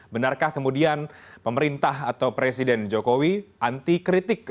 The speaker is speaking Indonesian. benarkah kemudian pemerintah atau presiden jokowi anti kritik